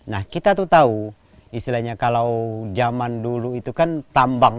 nah kita tuh tahu istilahnya kalau zaman dulu itu kan tambang